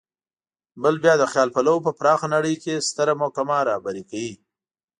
بل بیا د خیال پلو په پراخه نړۍ کې ستره محکمه رهبري کوي.